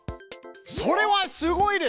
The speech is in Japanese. それはすごいです！